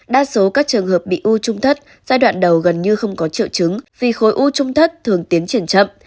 đa số các trường hợp bị u trung thất giai đoạn đầu gần như không có triệu chứng vì khối u trung thất thường tiến triển chậm